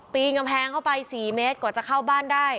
กำแพงเข้าไป๔เมตรกว่าจะเข้าบ้านได้